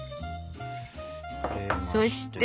そして。